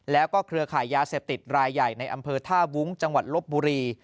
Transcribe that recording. แล้วก็เครือขายยาเสพติดรายใหญ่ในอำเภอท่าวุ้งจังหวัดลบบุรี